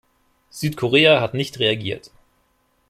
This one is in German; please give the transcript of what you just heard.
Südkorea hat nicht reagiert.